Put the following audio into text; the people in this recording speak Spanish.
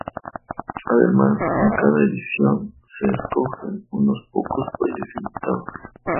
Además, en cada edición, se escogen unos pocos países invitados.